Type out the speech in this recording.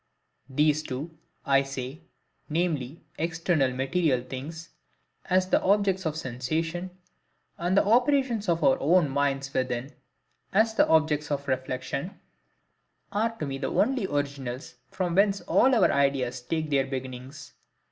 These two, I say, viz. external material things, as the objects of SENSATION, and the operations of our own minds within, as the objects of REFLECTION, are to me the only originals from whence all our ideas take their beginnings.